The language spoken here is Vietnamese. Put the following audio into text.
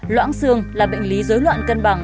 loãng xương là bệnh lý giới loạn cân bằng